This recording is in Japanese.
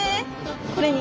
これに？